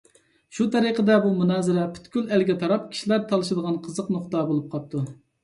شۇ تەرىقىدە بۇ مۇنازىرە پۈتكۈل ئەلگە تاراپ كىشىلەر تالىشىدىغان قىزىق نۇقتا بولۇپ قاپتۇ.